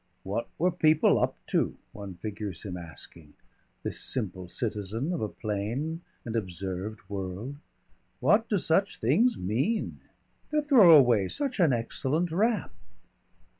"What were people up to?" one figures him asking, this simple citizen of a plain and observed world. "What do such things mean? "To throw away such an excellent wrap...!"